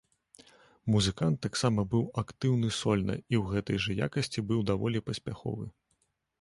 Музыкант таксама быў актыўны сольна і ў гэтай жа якасці быў даволі паспяховы.